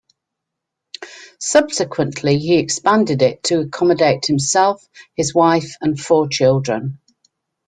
Subsequently, he expanded it to accommodate himself, his wife and four children.